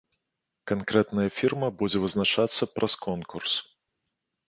Канкрэтная фірма будзе вызначацца праз конкурс.